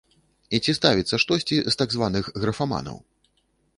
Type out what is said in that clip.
І ці ставіцца штосьці з так званых графаманаў?